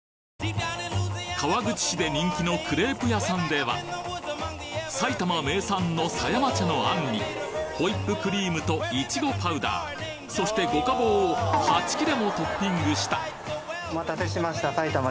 川口市で人気のクレープ屋さんでは埼玉名産の狭山茶の餡にホイップクリームとイチゴパウダーそして五家宝を８切れもトッピングしたお待たせしました。